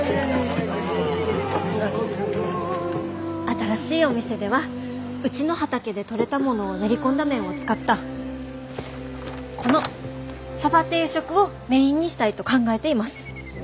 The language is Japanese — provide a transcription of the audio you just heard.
新しいお店ではうちの畑で取れたものを練り込んだ麺を使ったこのそば定食をメインにしたいと考えています。